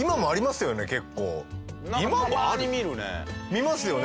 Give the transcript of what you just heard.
見ますよね。